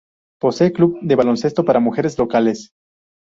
Posee club de baloncesto para mujeres locales.